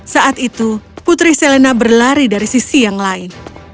saat itu putri selena berlari dari sisi yang lain